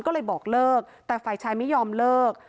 ก็เลยบอกเลิกแต่ฝ่ายชายไม่ยอมเลิก